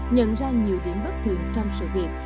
nhận ra nhiều điểm bất thường trong sự việc